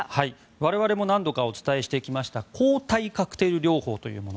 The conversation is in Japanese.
我々も何度かお伝えしてきました抗体カクテル療法というもの。